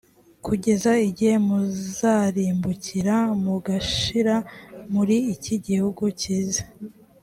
kugeza igihe muzarimbukira mugashira muri iki gihugu cyiza